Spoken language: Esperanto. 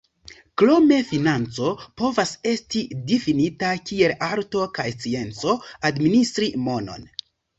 Krome financo povas esti difinita kiel "arto kaj scienco administri monon.